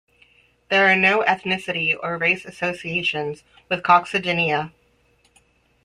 There are no ethnicity or race associations with coccydnia.